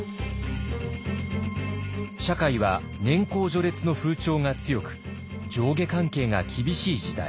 社会は年功序列の風潮が強く上下関係が厳しい時代。